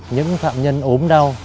những phạm nhân ốm đau